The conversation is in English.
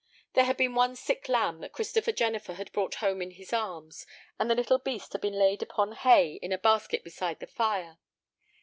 There had been one sick lamb that Christopher Jennifer had brought home in his arms, and the little beast had been laid upon hay in a basket beside the fire.